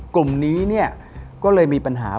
กลุ่มนี้เนี่ยก็เลยมีปัญหา